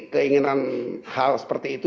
keinginan hal seperti itu